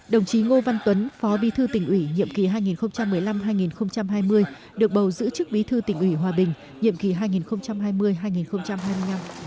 đồng chí ngô văn tuấn phó bí thư tỉnh ủy nhiệm kỳ hai nghìn một mươi năm hai nghìn hai mươi được bầu giữ chức bí thư tỉnh ủy hòa bình nhiệm kỳ hai nghìn hai mươi hai nghìn hai mươi năm